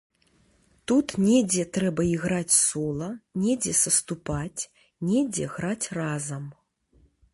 Тут недзе трэба іграць сола, недзе саступаць, недзе граць разам.